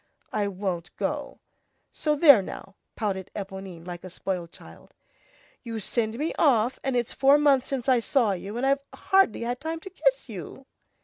"I won't go, so there now," pouted Éponine like a spoiled child; "you send me off, and it's four months since I saw you, and I've hardly had time to kiss you."